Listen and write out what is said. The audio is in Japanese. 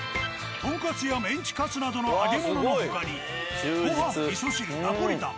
とんかつやメンチかつなどの揚げ物の他にご飯味噌汁ナポリタン